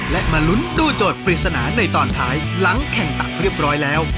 และมาลุ้นตู้โจทย์ปริศนาในตอนท้ายหลังแข่งตักเรียบร้อยแล้ว